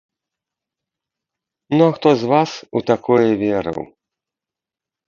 Ну хто з вас у такое верыў?